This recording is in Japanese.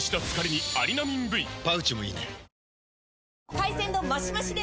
海鮮丼マシマシで！